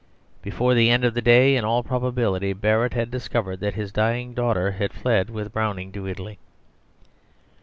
Before the end of the day in all probability Barrett had discovered that his dying daughter had fled with Browning to Italy.